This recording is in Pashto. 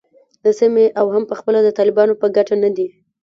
د سیمې او هم پخپله د طالبانو په ګټه نه دی